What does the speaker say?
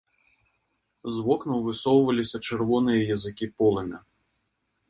З вокнаў высоўваліся чырвоныя языкі полымя.